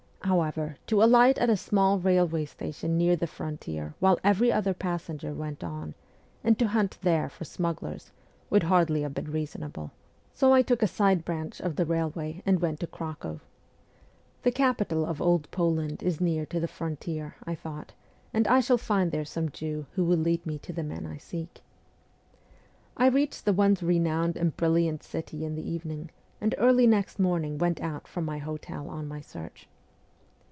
However, to alight at a small railway station near the frontier while every other passenger went on, and to hunt there for smugglers, would hardly have been reasonable; so I 80 MEMOIKS OF A REVOLUTIONIST took a side branch of the railway and went to Cracow. ' The capital of Old Poland is near to the frontier,' I thought, ' and I shall find there some Jew who will lead me to the men I seek.' I reached the once renowned and brilliant city in the evening, and early next morning went out from my hotel on my search.